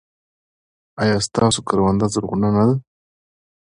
ایا ستاسو کرونده زرغونه نه ده؟